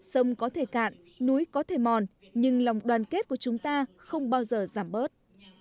sông có thể cạn núi có thể mòn nhưng lòng đoàn kết của chúng ta không bao giờ giảm bớt